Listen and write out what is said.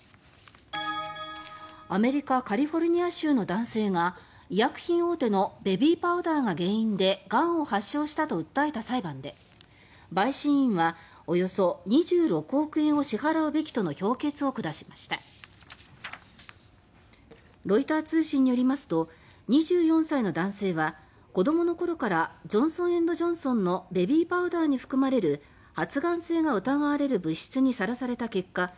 アメリカ・カリフォルニア州の男性が医薬品大手のベビーパウダーが原因でがんを発症したと訴えた裁判で陪審員は、およそ２６億円を支払うべきとの評決を下しましたロイター通信によりますと２４歳の男性は子どもの頃から、ジョンソン・エンド・ジョンソンのベビーパウダーに含まれる発がん性が疑われる物質にさらされた結果